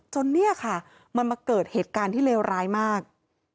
เนี่ยค่ะมันมาเกิดเหตุการณ์ที่เลวร้ายมาก